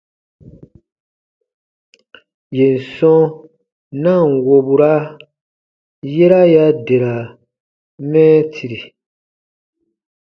Yèn sɔ̃ na ǹ wobura, yera ya dera mɛɛtiri.